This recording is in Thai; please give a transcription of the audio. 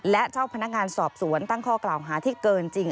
และเจ้าพนักงานสอบสวนตั้งข้อกล่าวหาที่เกินจริง